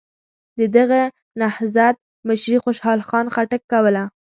د دغه نهضت مشري خوشحال خان خټک کوله.